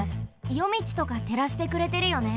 よみちとかてらしてくれてるよね。